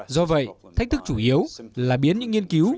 do vậy thách thức chủ yếu